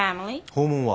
訪問は？